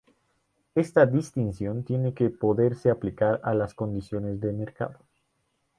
Esta distinción tiene que poderse aplicar a las condiciones de mercado.